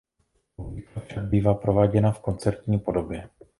Obvykle však bývá prováděna v koncertní podobě.